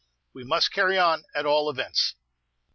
We must carry on, at all events."